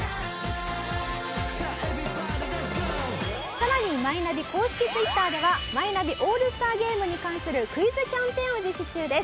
さらにマイナビ公式ツイッターではマイナビオールスターゲームに関するクイズキャンペーンを実施中です。